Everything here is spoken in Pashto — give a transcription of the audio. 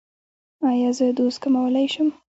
ایا زه دوز کمولی شم؟